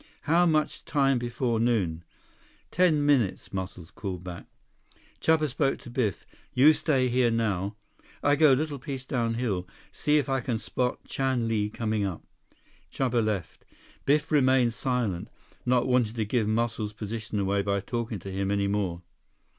"How much time before noon?" "Ten minutes," Muscles called back. Chuba spoke to Biff. "You stay here now. I go little piece down hill, see if I can spot Chan Li coming up." Chuba left. Biff remained silent, not wanting to give Muscles' position away by talking to him any more.